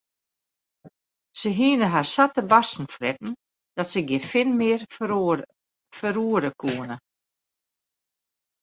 Se hiene har sa te barsten fretten dat se gjin fin mear ferroere koene.